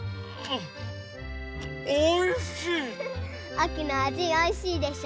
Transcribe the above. あきのあじおいしいでしょ？